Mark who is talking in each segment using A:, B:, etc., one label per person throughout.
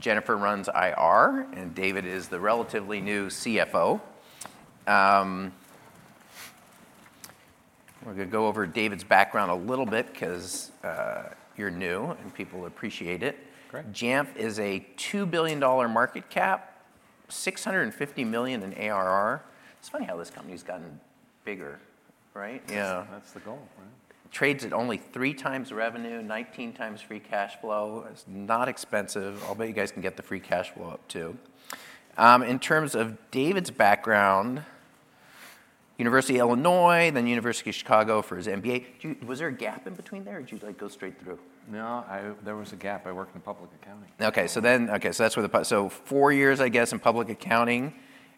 A: Jennifer runs IR, and David is the relatively new CFO. We're going to go over David's background a little bit because you're new, and people appreciate it.
B: Great.
A: Jamf is a $2 billion market cap, $650 million in ARR. It's funny how this company's gotten bigger, right?
B: That's the goal, right?
A: Trades at only three times revenue, 19 times free cash flow. It's not expensive. I'll bet you guys can get the free cash flow up too. In terms of David's background, University of Illinois, then University of Chicago for his MBA. Was there a gap in between there, or did you go straight through?
B: No, there was a gap. I worked in public accounting.
A: OK, so that's where the part, so four years, I guess, in public accounting.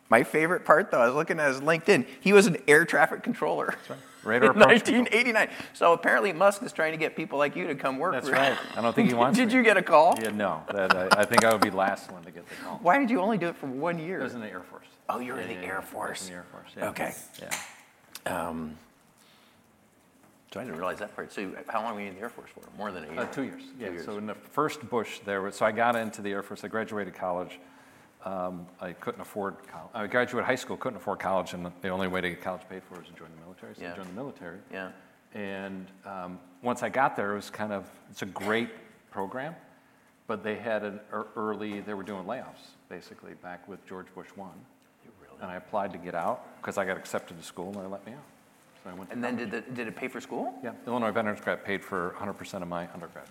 A: My favorite part, though, I was looking at his LinkedIn. He was an air traffic controller.
B: That's right.
A: Right? 1989. Apparently Musk is trying to get people like you to come work for him.
B: That's right. I don't think he wants to.
A: Did you get a call?
B: Yeah, no. I think I would be the last one to get the call.
A: Why did you only do it for one year?
B: I was in the Air Force.
A: Oh, you were in the Air Force?
B: I was in the Air Force, yeah.
A: OK.
B: Yeah.
A: Trying to realize that part. How long were you in the Air Force for? More than a year?
B: Two years.
A: Two years.
B: In the first Bush there, I got into the Air Force. I graduated college. I couldn't afford college. I graduated high school, couldn't afford college. The only way to get college paid for was to join the military. I joined the military.
A: Yeah.
B: Once I got there, it was kind of it's a great program, but they had an early they were doing layoffs, basically, back with George Bush I.
A: You really?
B: I applied to get out because I got accepted to school, and they let me out. I went to.
A: Did it pay for school?
B: Yeah. Illinois Veterans Grant paid for 100% of my undergrad.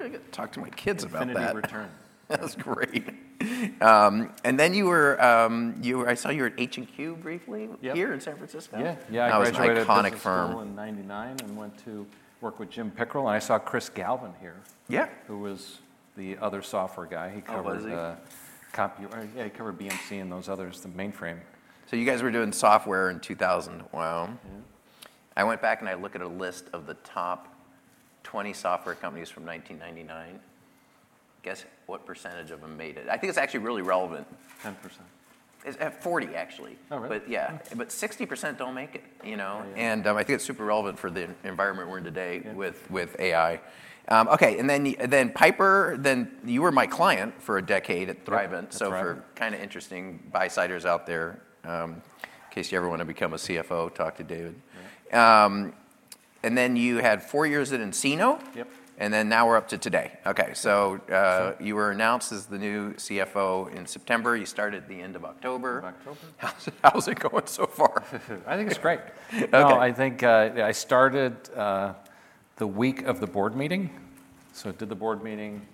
A: I got to talk to my kids about that.
B: Definitely return.
A: That's great. You were, I saw you were at H&Q briefly here in San Francisco.
B: Yeah, yeah. I graduated from.
A: That was an iconic firm.
B: In 1999 and went to work with Jim Pickerell. I saw Chris Galvin here.
A: Yeah.
B: Who was the other software guy? He covered.
A: Oh, was he?
B: Yeah, he covered BMC and those others, the mainframe.
A: You guys were doing software in 2001.
B: Yeah.
A: I went back and I looked at a list of the top 20 software companies from 1999. Guess what percentage of them made it? I think it's actually really relevant.
B: 10%.
A: It's at 40, actually.
B: Oh, really?
A: Yeah. 60% don't make it.
B: Oh, yeah.
A: I think it's super relevant for the environment we're in today with AI. OK, and then Piper, then you were my client for a decade at Thrivent.
B: That's right.
A: For kind of interesting buysiders out there, in case you ever want to become a CFO, talk to David. And then you had four years at nCino.
B: Yep.
A: Now we're up to today. OK, so you were announced as the new CFO in September. You started at the end of October.
B: End of October.
A: How's it going so far?
B: I think it's great.
A: OK.
B: I think I started the week of the board meeting. I did the board meeting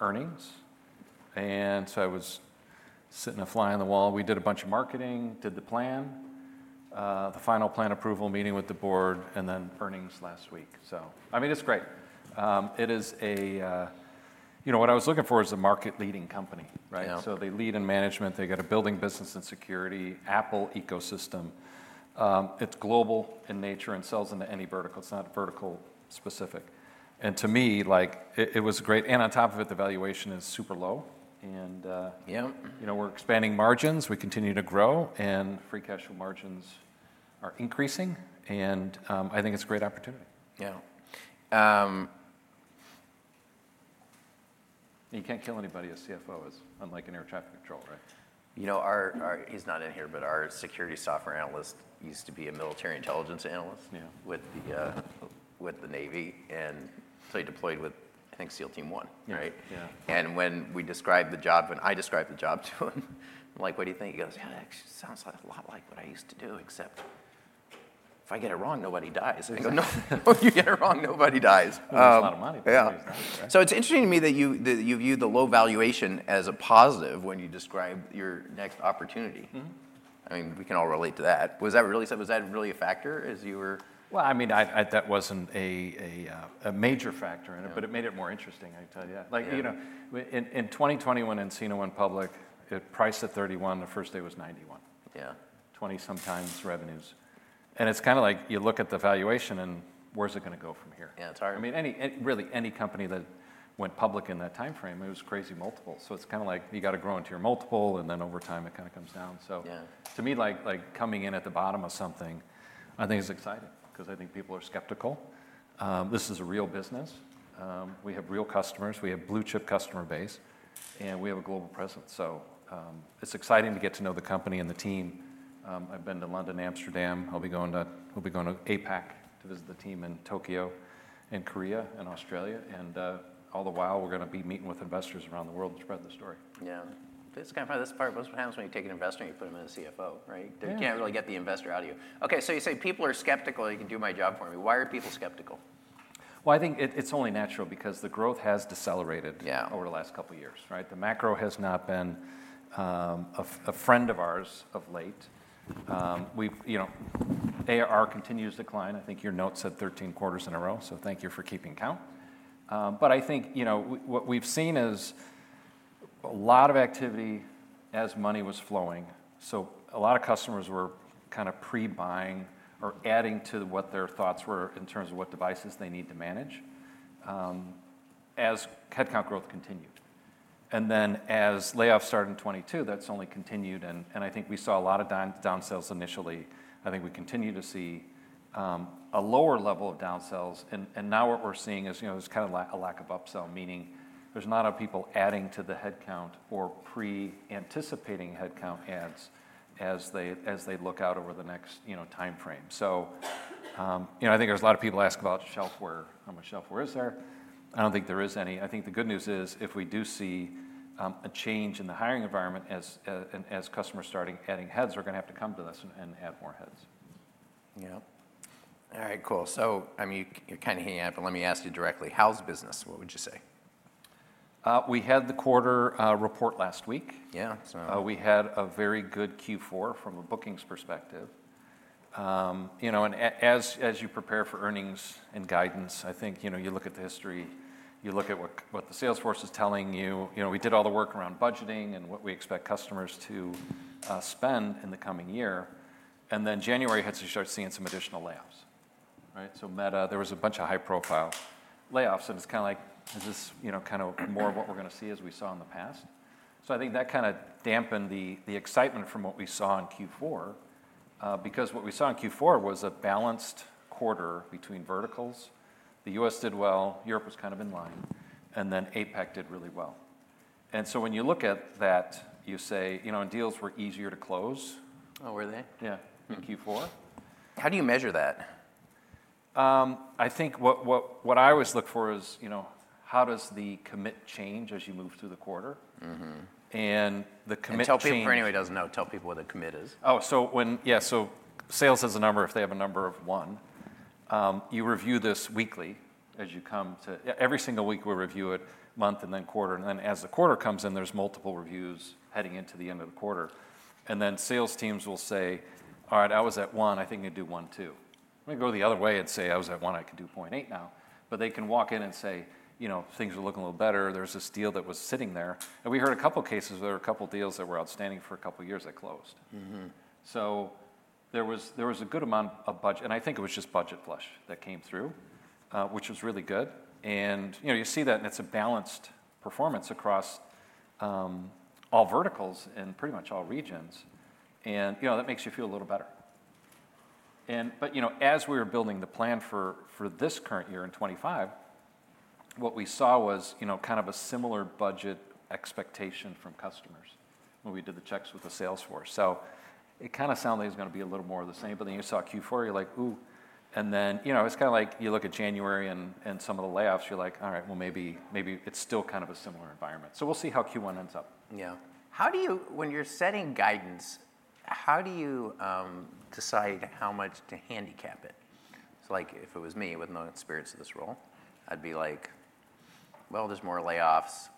B: earnings. I was sitting a fly on the wall. We did a bunch of marketing, did the plan, the final plan approval meeting with the board, and then earnings last week. I mean, it's great. It is a, you know, what I was looking for is a market-leading company, right? They lead in management. They've got a building business in security, Apple ecosystem. It's global in nature and sells into any vertical. It's not vertical specific. To me, it was great. On top of it, the valuation is super low.
A: Yeah.
B: We're expanding margins. We continue to grow. Free cash flow margins are increasing. I think it's a great opportunity.
A: Yeah.
B: You can't kill anybody as CFO, unlike in air traffic control, right?
A: You know, he's not in here, but our security software analyst used to be a military intelligence analyst with the Navy and deployed with, I think, SEAL Team One, right?
B: Yeah.
A: When we described the job, when I described the job to him, I'm like, what do you think? He goes, yeah, that actually sounds a lot like what I used to do, except if I get it wrong, nobody dies. I go, no, no, you get it wrong, nobody dies.
B: That's a lot of money.
A: Yeah. It is interesting to me that you view the low valuation as a positive when you describe your next opportunity. I mean, we can all relate to that. Was that really a factor as you were?
B: I mean, that wasn't a major factor in it, but it made it more interesting, I tell you. Like, you know, in 2021, nCino went public. It priced at $31. The first day was $91.
A: Yeah.
B: Twenty-some times revenues. It's kind of like you look at the valuation, and where's it going to go from here?
A: Yeah, it's hard.
B: I mean, really, any company that went public in that time frame, it was crazy multiples. It's kind of like you've got to grow into your multiple, and then over time, it kind of comes down. To me, coming in at the bottom of something, I think is exciting because I think people are skeptical. This is a real business. We have real customers. We have blue-chip customer base. We have a global presence. It's exciting to get to know the company and the team. I've been to London, Amsterdam. I'll be going to APAC to visit the team in Tokyo and Korea and Australia. All the while, we're going to be meeting with investors around the world to spread the story.
A: Yeah. It's kind of funny. This is what happens when you take an investor and you put them in a CFO, right?
B: Yeah.
A: You can't really get the investor out of you. OK, so you say people are skeptical. You can do my job for me. Why are people skeptical?
B: I think it's only natural because the growth has decelerated over the last couple of years, right? The macro has not been a friend of ours of late. ARR continues to decline. I think your notes said 13 quarters in a row, so thank you for keeping count. I think what we've seen is a lot of activity as money was flowing. A lot of customers were kind of pre-buying or adding to what their thoughts were in terms of what devices they need to manage as headcount growth continued. As layoffs started in 2022, that's only continued. I think we saw a lot of downsells initially. I think we continue to see a lower level of downsells. What we're seeing is kind of a lack of upsell, meaning there's not a lot of people adding to the headcount or pre-anticipating headcount adds as they look out over the next time frame. I think there's a lot of people ask about shelfware. How much shelfware is there? I don't think there is any. I think the good news is if we do see a change in the hiring environment as customers start adding heads, we're going to have to come to this and add more heads.
A: Yeah. All right, cool. I mean, you're kind of hanging out, but let me ask you directly. How's business? What would you say?
B: We had the quarter report last week.
A: Yeah.
B: We had a very good Q4 from a bookings perspective. As you prepare for earnings and guidance, I think you look at the history. You look at what the Salesforce is telling you. We did all the work around budgeting and what we expect customers to spend in the coming year. January had to start seeing some additional layoffs, right? Meta, there was a bunch of high-profile layoffs. It is kind of like, is this kind of more of what we are going to see as we saw in the past? I think that kind of dampened the excitement from what we saw in Q4 because what we saw in Q4 was a balanced quarter between verticals. The U.S. did well. Europe was kind of in line. APAC did really well. When you look at that, you say, you know, and deals were easier to close.
A: Oh, were they?
B: Yeah, in Q4.
A: How do you measure that?
B: I think what I always look for is how does the commit change as you move through the quarter?
A: Mm-hmm.
B: The commit change.
A: Tell people, for anybody who doesn't know, tell people what the commit is.
B: Oh, so when yeah, so sales has a number if they have a number of one. You review this weekly as you come to every single week, we review it month and then quarter. As the quarter comes in, there are multiple reviews heading into the end of the quarter. Sales teams will say, all right, I was at one. I think you do one, two. Let me go the other way and say, I was at one. I can do 0.8 now. They can walk in and say, things are looking a little better. There is this deal that was sitting there. We heard a couple of cases where there were a couple of deals that were outstanding for a couple of years that closed. There was a good amount of budget. I think it was just budget flush that came through, which was really good. You see that, and it's a balanced performance across all verticals in pretty much all regions. That makes you feel a little better. As we were building the plan for this current year in 2025, what we saw was kind of a similar budget expectation from customers when we did the checks with the sales force. It kind of sounded like it was going to be a little more of the same. You saw Q4, you're like, ooh. You look at January and some of the layoffs, you're like, all right, maybe it's still kind of a similar environment. We will see how Q1 ends up.
A: Yeah. How do you, when you're setting guidance, how do you decide how much to handicap it? If it was me, with no experience of this role, I'd be like, well, there's more layoffs.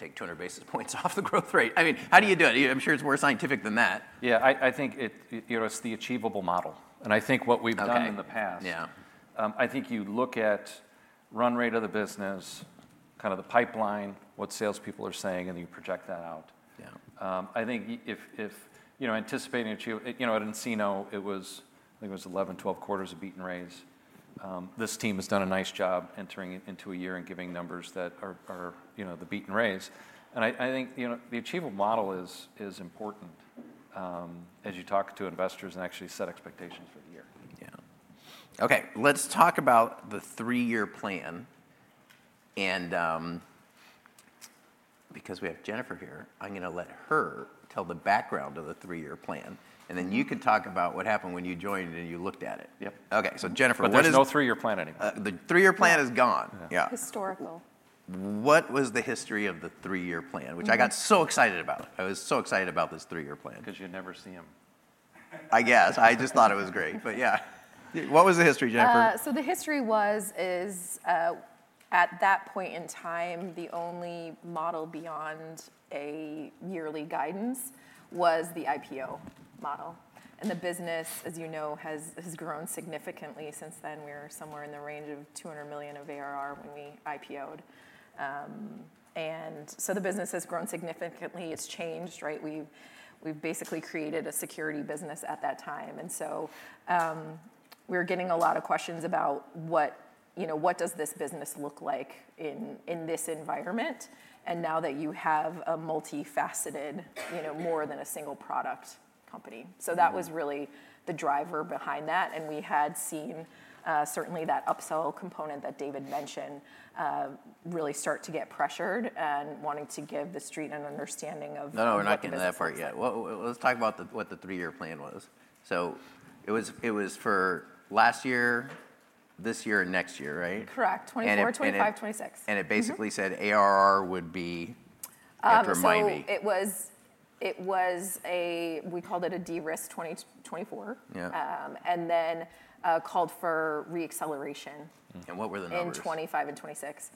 A: Let's take 200 basis points off the growth rate. I mean, how do you do it? I'm sure it's more scientific than that.
B: Yeah, I think it's the achievable model. I think what we've done in the past, I think you look at run rate of the business, kind of the pipeline, what salespeople are saying, and then you project that out.
A: Yeah.
B: I think if anticipating, you know, at nCino, it was, I think, 11, 12 quarters of beaten raise. This team has done a nice job entering into a year and giving numbers that are the beaten raise. I think the achievable model is important as you talk to investors and actually set expectations for the year.
A: Yeah. OK, let's talk about the three-year plan. Because we have Jennifer here, I'm going to let her tell the background of the three-year plan. Then you can talk about what happened when you joined and you looked at it.
B: Yep.
A: OK, so Jennifer.
B: There is no three-year plan anymore.
A: The three-year plan is gone.
B: Yeah.
C: Historical.
A: What was the history of the three-year plan, which I got so excited about? I was so excited about this three-year plan.
B: Because you'd never see him.
A: I guess. I just thought it was great. Yeah.
B: What was the history, Jennifer?
C: The history was, at that point in time, the only model beyond a yearly guidance was the IPO model. The business, as you know, has grown significantly since then. We were somewhere in the range of $200 million of ARR when we IPO'd. The business has grown significantly. It's changed, right? We basically created a security business at that time. We were getting a lot of questions about what does this business look like in this environment and now that you have a multifaceted, more than a single product company. That was really the driver behind that. We had seen, certainly, that upsell component that David mentioned really start to get pressured and wanting to give the street an understanding of.
A: No, no, we're not getting to that part yet. Let's talk about what the three-year plan was. It was for last year, this year, and next year, right?
C: Correct. 24, 25, 26.
A: It basically said ARR would be after Miami.
C: After it was a, we called it a de-risk 2024.
A: Yeah.
C: Called for re-acceleration.
A: What were the numbers?
C: In 2025 and 2026.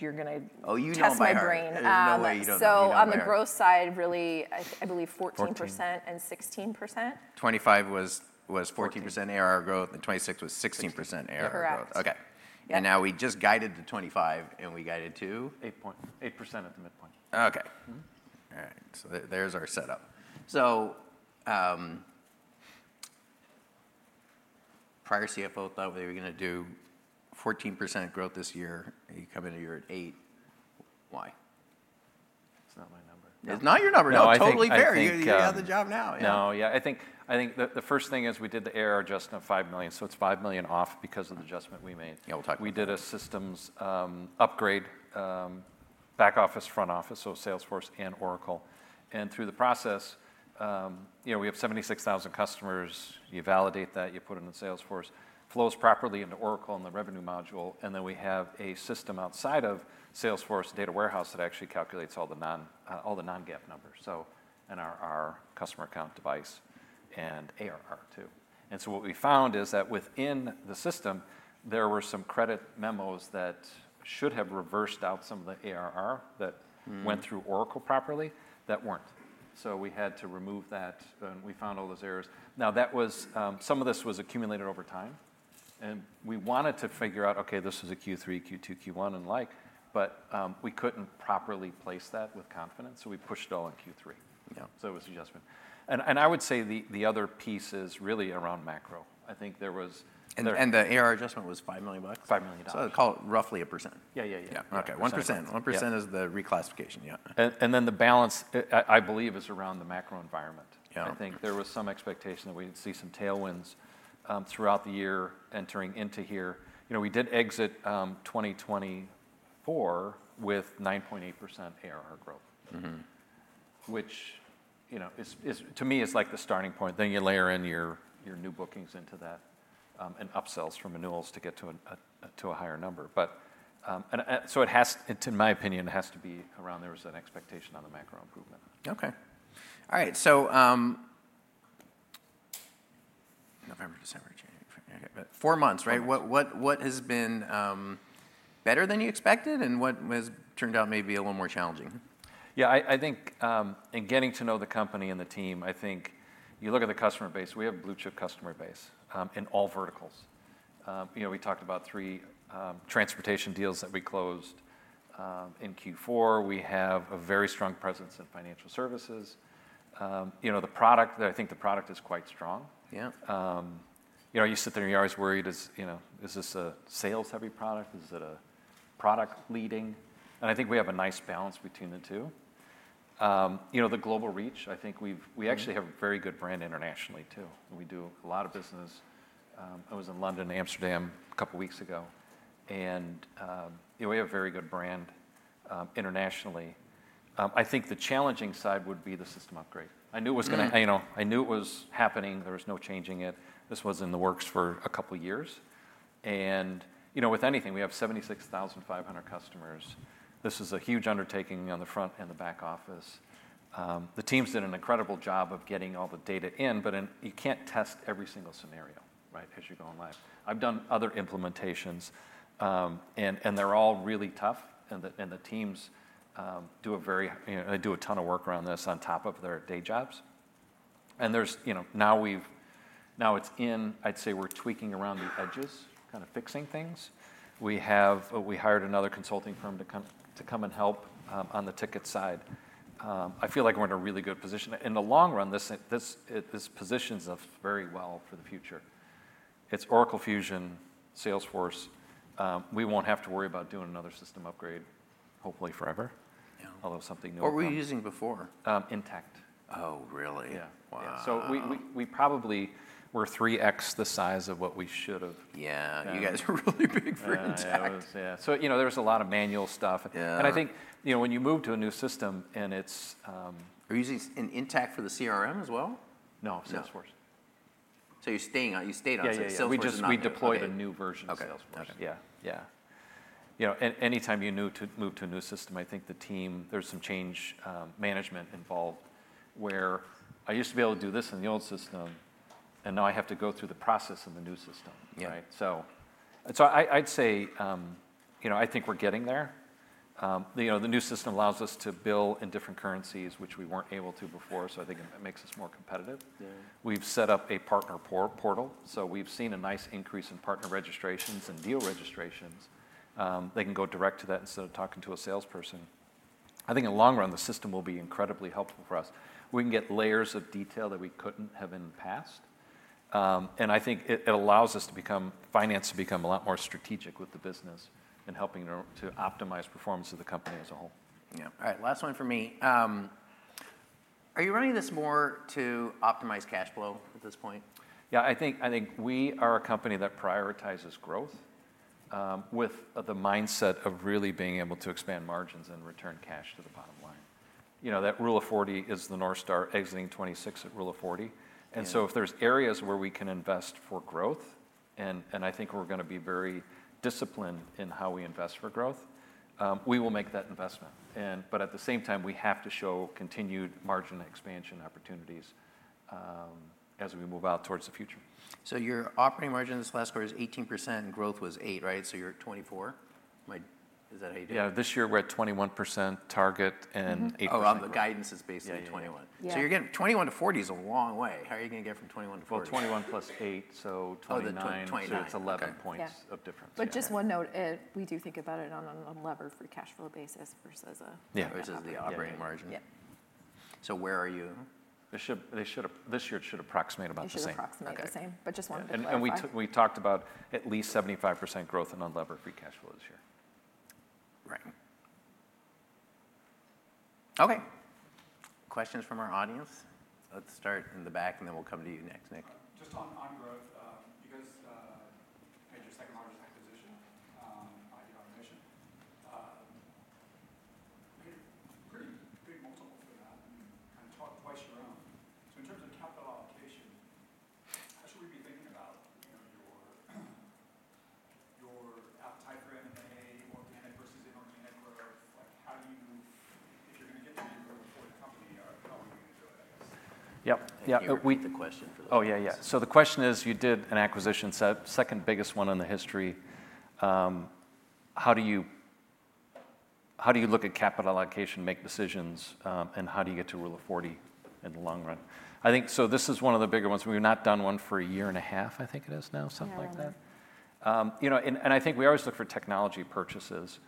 C: You're going to.
A: Oh, you know my math.
C: That's my brain.
A: You know me.
C: On the growth side, really, I believe 14% and 16%.
A: 2025 was 14% ARR growth, and 2026 was 16% ARR growth.
C: Correct.
A: OK. Now we just guided to 2025, and we guided to?
B: 8% at the midpoint.
A: OK. All right, so there's our setup. So prior CFO thought they were going to do 14% growth this year. You come into year at 8%. Why?
B: It's not my number.
A: It's not your number.
B: No, it's not.
A: Totally fair. You have the job now.
B: No, yeah. I think the first thing is we did the ARR adjustment of $5 million. So it's $5 million off because of the adjustment we made.
A: Yeah, we'll talk about that.
B: We did a systems upgrade, back office, front office, so Salesforce and Oracle. Through the process, we have 76,000 customers. You validate that. You put it in Salesforce. Flows properly into Oracle in the revenue module. We have a system outside of Salesforce, data warehouse, that actually calculates all the non-GAAP numbers, so in our customer account device and ARR too. What we found is that within the system, there were some credit memos that should have reversed out some of the ARR that went through Oracle properly that were not. We had to remove that. We found all those errors. Some of this was accumulated over time. We wanted to figure out, OK, this is a Q3, Q2, Q1, and like. We could not properly place that with confidence. We pushed all in Q3. It was adjustment. I would say the other piece is really around macro. I think there was.
A: The ARR adjustment was $5 million?
B: $5 million.
A: Call it roughly 1%.
B: Yeah, yeah.
A: Yeah. OK, 1%. 1% is the reclassification. Yeah.
B: The balance, I believe, is around the macro environment. I think there was some expectation that we'd see some tailwinds throughout the year entering into here. We did exit 2024 with 9.8% ARR growth, which to me is like the starting point. You layer in your new bookings into that and upsells from renewals to get to a higher number. It has, to my opinion, it has to be around there was an expectation on the macro improvement.
A: OK. All right, so.
B: November, December, January.
A: Four months, right? What has been better than you expected? What has turned out maybe a little more challenging?
B: Yeah, I think in getting to know the company and the team, I think you look at the customer base. We have a blue-chip customer base in all verticals. We talked about three transportation deals that we closed in Q4. We have a very strong presence in financial services. The product, I think the product is quite strong.
A: Yeah.
B: You sit there, and you're always worried, is this a sales-heavy product? Is it a product-leading? I think we have a nice balance between the two. The global reach, I think we actually have a very good brand internationally too. We do a lot of business. I was in London and Amsterdam a couple of weeks ago. We have a very good brand internationally. I think the challenging side would be the system upgrade. I knew it was going to happen. There was no changing it. This was in the works for a couple of years. With anything, we have 76,500 customers. This is a huge undertaking on the front and the back office. The teams did an incredible job of getting all the data in. You can't test every single scenario, right, as you go in life. I've done other implementations. They're all really tough. The teams do a very, they do a ton of work around this on top of their day jobs. Now it's in, I'd say we're tweaking around the edges, kind of fixing things. We hired another consulting firm to come and help on the ticket side. I feel like we're in a really good position. In the long run, this positions us very well for the future. It's Oracle Fusion, Salesforce. We won't have to worry about doing another system upgrade, hopefully forever, although something new.
A: What were you using before?
B: Intacct.
A: Oh, really?
B: Yeah.
A: Wow.
B: We probably were 3x the size of what we should have.
A: Yeah, you guys are really big for Intacct.
B: Yeah. There was a lot of manual stuff. I think when you move to a new system and it's.
A: Are you using Intacct for the CRM as well?
B: No, Salesforce.
A: You stayed on Salesforce.
B: Yeah, we deployed a new version of Salesforce.
A: OK.
B: Yeah. Yeah. Anytime you move to a new system, I think the team, there's some change management involved, where I used to be able to do this in the old system. Now I have to go through the process in the new system, right? I'd say I think we're getting there. The new system allows us to bill in different currencies, which we weren't able to before. I think it makes us more competitive. We've set up a partner portal. We've seen a nice increase in partner registrations and deal registrations. They can go direct to that instead of talking to a salesperson. I think in the long run, the system will be incredibly helpful for us. We can get layers of detail that we couldn't have in the past. I think it allows us to become, finance to become a lot more strategic with the business and helping to optimize performance of the company as a whole.
A: Yeah. All right, last one for me. Are you running this more to optimize cash flow at this point?
B: Yeah, I think we are a company that prioritizes growth with the mindset of really being able to expand margins and return cash to the bottom line. That Rule of 40 is the North Star, exiting 2026 at Rule of 40. If there are areas where we can invest for growth, and I think we are going to be very disciplined in how we invest for growth, we will make that investment. At the same time, we have to show continued margin expansion opportunities as we move out towards the future.
A: Your operating margin this last quarter is 18%, and growth was 8%, right? So you're at 24%. Is that how you do it?
B: Yeah, this year we're at 21% target and 8%.
A: Oh, the guidance is basically 21%.
C: Yeah.
A: You're getting 21% to 40% is a long way. How are you going to get from 21% to 40%?
B: 21% + 8%, so 29%.
A: Oh, the 29%.
B: It is 11 points of difference.
C: Just one note, we do think about it on an unlevered free cash flow basis versus a.
A: Yeah, versus the operating margin.
C: Yeah.
A: Where are you?
B: This year it should approximate about the same.
C: It should approximate the same. I just wanted to clarify.
B: We talked about at least 75% growth in unlevered free cash flow this year.
A: Right. OK, questions from our audience? Let's start in the back, and then we'll come to you next, Nick. Just on growth, you guys had your second largest acquisition, Identity Automation. Pretty multiple for that. I mean, kind of twice your own. In terms of capital allocation, how should we be thinking about your appetite for M&A, organic versus inorganic growth? How do you, if you're going to get to be a really rapported company, how are you going to do it, I guess?
B: Yeah. Yeah.
A: That's a good question for them.
B: Oh, yeah, yeah. The question is, you did an acquisition, second biggest one in the history. How do you look at capital allocation, make decisions, and how do you get to Rule of 40 in the long run? I think this is one of the bigger ones. We've not done one for a year and a half, I think it is now, something like that. I think we always look for technology purchases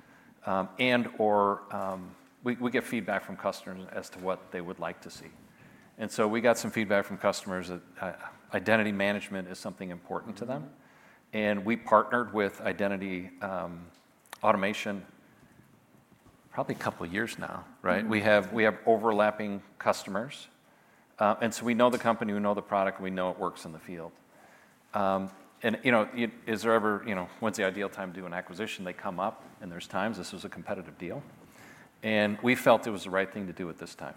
B: and/or we get feedback from customers as to what they would like to see. We got some feedback from customers that identity management is something important to them. We partnered with Identity Automation probably a couple of years now, right? We have overlapping customers. We know the company. We know the product. We know it works in the field. Is there ever when's the ideal time to do an acquisition? They come up, and there's times. This was a competitive deal. We felt it was the right thing to do at this time.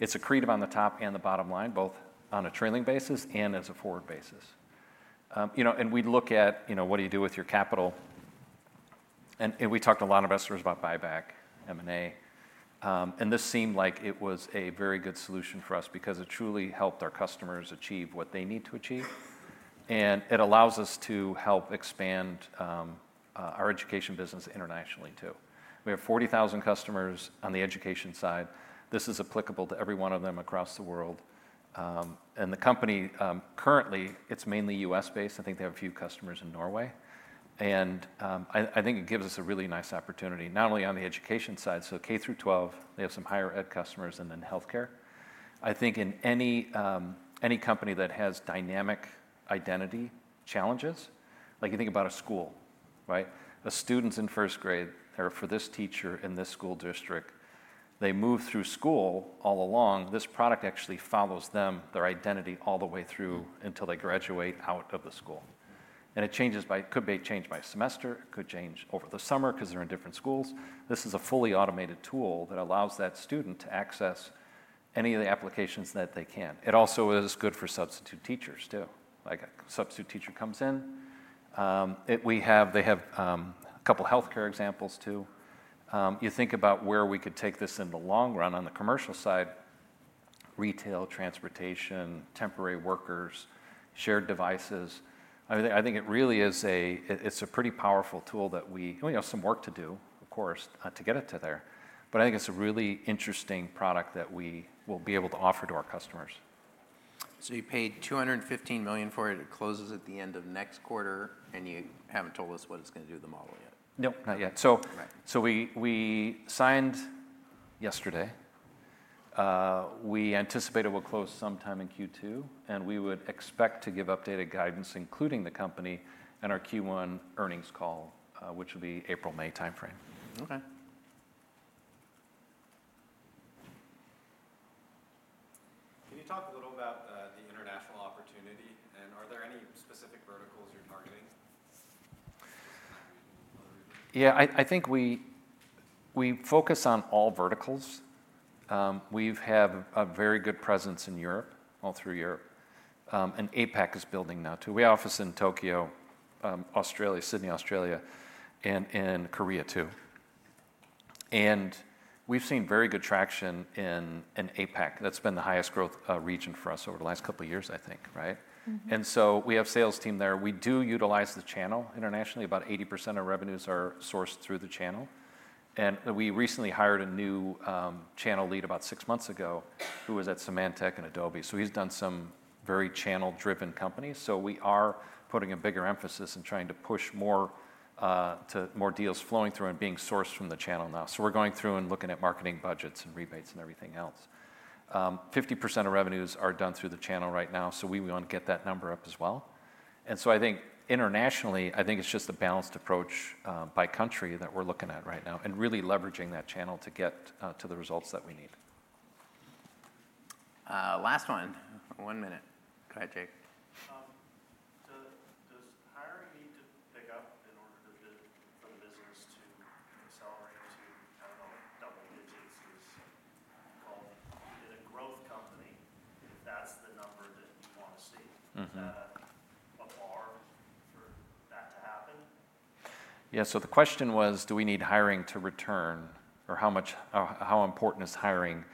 B: It's accretive on the top and the bottom line, both on a trailing basis and as a forward basis. We look at what do you do with your capital. We talked to a lot of investors about buyback, M&A. This seemed like it was a very good solution for us because it truly helped our customers achieve what they need to achieve. It allows us to help expand our education business internationally too. We have 40,000 customers on the education side. This is applicable to every one of them across the world. The company currently, it's mainly U.S. based. I think they have a few customers in Norway. I think it gives us a really nice opportunity, not only on the education side. K-12, they have some higher ed customers and then health care. I think in any company that has dynamic identity challenges, like you think about a school, right? The students in first grade that are for this teacher in this school district, they move through school all along. This product actually follows them, their identity, all the way through until they graduate out of the school. It could change by semester. It could change over the summer because they're in different schools. This is a fully automated tool that allows that student to access any of the applications that they can. It also is good for substitute teachers too. Like a substitute teacher comes in. They have a couple of health care examples too. You think about where we could take this in the long run on the commercial side: retail, transportation, temporary workers, shared devices. I think it really is a pretty powerful tool that we have some work to do, of course, to get it to there. I think it's a really interesting product that we will be able to offer to our customers.
A: You paid $215 million for it. It closes at the end of next quarter. You haven't told us what it's going to do with the model yet.
B: No, not yet. We signed yesterday. We anticipate it will close sometime in Q2. We would expect to give updated guidance, including the company, in our Q1 earnings call, which will be April, May timeframe.
A: OK. Can you talk a little about the international opportunity? Are there any specific verticals you're targeting? Just kind of reading a little bit.
B: Yeah, I think we focus on all verticals. We have a very good presence in Europe, all through Europe. APAC is building now too. We have office in Tokyo, Australia, Sydney, Australia, and Korea too. We've seen very good traction in APAC. That's been the highest growth region for us over the last couple of years, I think, right? We have a sales team there. We do utilize the channel internationally. About 80% of revenues are sourced through the channel. We recently hired a new channel lead about six months ago who was at Symantec and Adobe. He's done some very channel-driven companies. We are putting a bigger emphasis and trying to push more deals flowing through and being sourced from the channel now. We are going through and looking at marketing budgets and rebates and everything else. 50% of revenues are done through the channel right now. We want to get that number up as well. I think internationally, I think it's just a balanced approach by country that we're looking at right now and really leveraging that channel to get to the results that we need.
A: Last one. One minute. Go ahead, Jake. Does hiring need to pick up in order for the business to accelerate to, I don't know, double digits? Because in a growth company, that's the number that you want to see. Is that a bar for that to happen?
B: Yeah, so the question was, do we need hiring to return? Or how important is hiring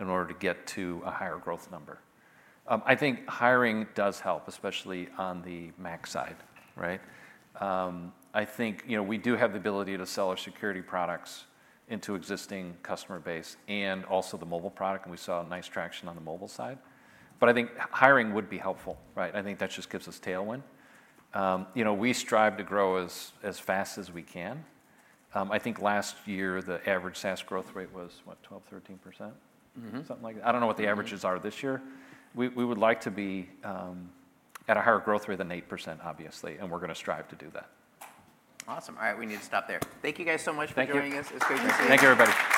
B: in order to get to a higher growth number? I think hiring does help, especially on the Mac side, right? I think we do have the ability to sell our security products into existing customer base and also the mobile product. We saw a nice traction on the mobile side. I think hiring would be helpful, right? I think that just gives us tailwind. We strive to grow as fast as we can. I think last year, the average SaaS growth rate was, what, 12%, 13%, something like that. I do not know what the averages are this year. We would like to be at a higher growth rate than 8%, obviously. We are going to strive to do that.
A: Awesome. All right, we need to stop there. Thank you guys so much for joining us. It's great to see you.
B: Thank you, everybody.